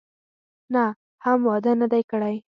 نه، هم واده نه دی کړی.